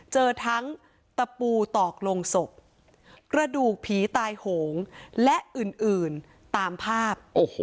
เจอทั้งตะปูตอกลงศพกระดูกผีตายโหงและอื่นตามภาพ